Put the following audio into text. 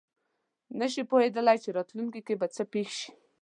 نه شي پوهېدلی چې راتلونکې کې به څه پېښ شي.